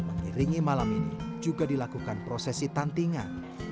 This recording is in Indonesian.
mengiringi malam ini juga dilakukan prosesi tantingan